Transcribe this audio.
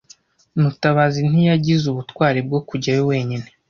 Mutabazi ntiyagize ubutwari bwo kujyayo wenyine.